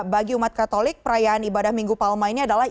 bagi umat katolik perayaan ibadah minggu palma ini adalah